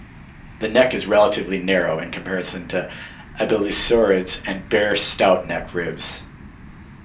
The neck is relatively narrow in comparison to abelisaurids and bear stout neck ribs.